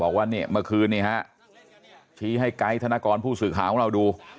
บอกว่าเนี่ยเมื่อคืนนี้ครับชี้ให้ไกด์ธนากรผู้ศึกหาของเราดู